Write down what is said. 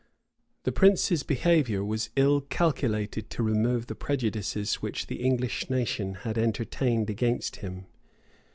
The prince's behavior was ill calculated to remove the prejudices which the English nation had entertained against him.